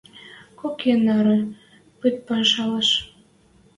Кок и нӓрӹ пыт пӓшӓлӓш